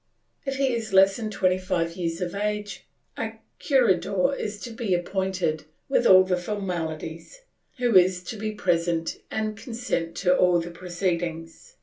If he is less than 25 years of age, a curador is to be appointed, with all the formalities, who is to be present and to consent to all the proceedings.